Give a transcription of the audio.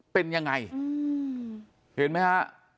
เป็นยังไงเห็นไหมฮะ